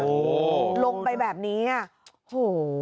โอ้โหลงไปแบบนี้อ่ะโห